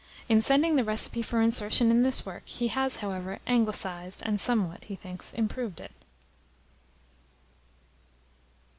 In sending the recipe for insertion in this work, he has, however, Anglicised, and somewhat, he thinks, improved it.